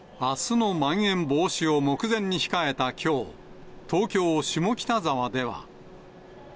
あすのまん延防止を目前に控えたきょう、東京・下北沢では。